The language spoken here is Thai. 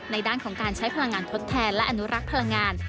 ด้านของการใช้พลังงานทดแทนและอนุรักษ์พลังงาน